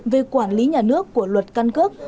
về quản lý nhà nước của luật căn cước